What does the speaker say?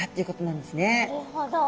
なるほど。